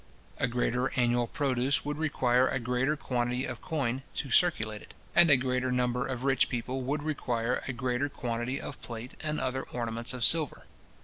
A greater annual produce would require a greater quantity of coin to circulate it; and a greater number of rich people would require a greater quantity of plate and other ornaments of silver.